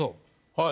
はい。